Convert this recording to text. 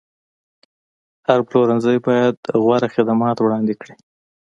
هر پلورنځی باید غوره خدمات وړاندې کړي.